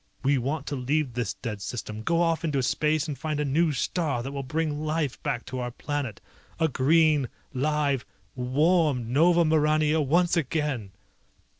We want to leave this dead system, go off into space and find a new star that will bring life back to our planet! A green, live, warm Nova Maurania once again!"